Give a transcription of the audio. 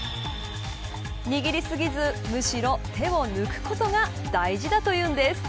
握り過ぎずむしろ手を抜くことが大事だというのです。